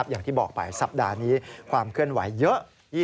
อย่างที่บอกไปสัปดาห์นี้ความเคลื่อนไหวเยอะ